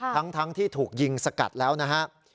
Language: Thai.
ทั้งที่ถูกยิงสกัดแล้วนะครับ